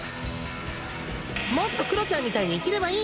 もっとクロちゃんみたいに生きればいい。